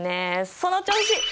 その調子！